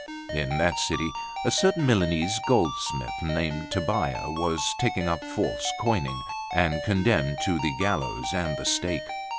In that city a certain Milanese goldsmith, named Tobbia, was taken up for false coining, and condemned to the gallows and the stake.